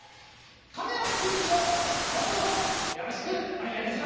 亀やん急便を今後ともよろしくお願いいたします。